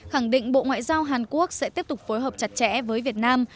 khẳng định bộ ngoại giao hàn quốc sẽ tiếp tục phối hợp chặt chẽ với việt nam